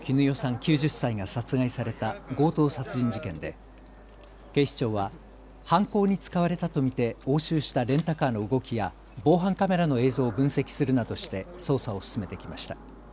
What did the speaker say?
９０歳が殺害された強盗殺人事件で警視庁は犯行に使われたと見て押収したレンタカーの動きや防犯カメラの映像を分析するなどして捜査を進めてきました。